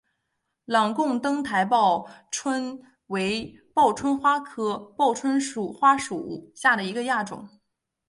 朗贡灯台报春为报春花科报春花属下的一个亚种。